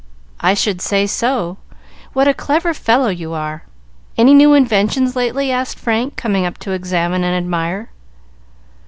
"I should say so. What a clever fellow you are! Any new inventions lately?" asked Frank, coming up to examine and admire.